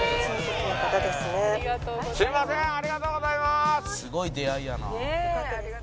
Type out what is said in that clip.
「すごい出会いやな」